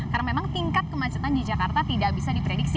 karena memang tingkat kemacetan di jakarta tidak bisa diprediksi